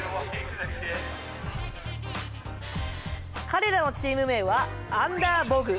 彼らのチーム名はアンダーボグ。